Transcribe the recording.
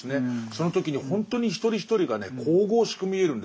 その時にほんとに一人一人がね神々しく見えるんです。